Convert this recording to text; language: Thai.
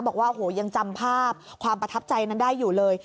บอกว่าโหยังจำภาพความประทับใจนั้นได้อยู่เลย